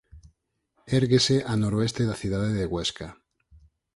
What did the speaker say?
Érguese a noroeste da cidade de Huesca.